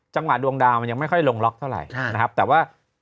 จังหวะดวงดาวมันยังไม่ค่อยลงล็อกเท่าไหร่นะครับแต่ว่า